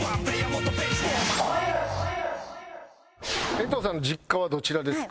衛藤さんの実家はどちらですか？